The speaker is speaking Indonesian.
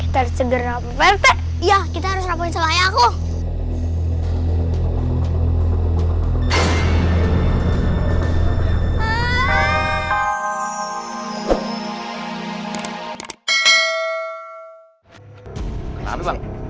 tersegar pp ya kita harus rapuh selayaku